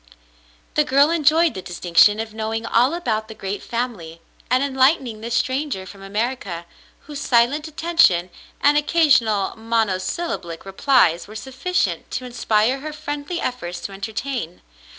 The girl enjoyed the distinction of knowing all about the great family and enlightening this stranger from America, whose silent attention and occasional monosyllablic replies were sufficient to inspire her friendly efforts to entertain.